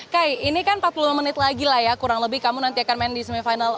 kay ini kan empat puluh lima menit lagi lah ya kurang lebih kamu nanti akan main di semifinal